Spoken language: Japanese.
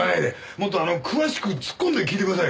もっとあの詳しく突っ込んで訊いて下さいよ！